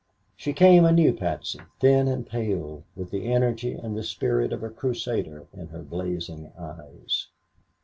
She came a new Patsy, thin and pale, with the energy and the spirit of a Crusader in her blazing eyes.